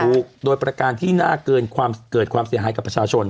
ถูกโดยประการที่น่าเกินความเกิดความเสียหายกับประชาชน